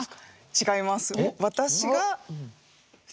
違います。